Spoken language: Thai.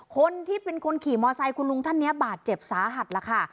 คนที่เป็นคนขี่มอไซคคุณลุงท่านนี้บาดเจ็บสาหัสล่ะค่ะ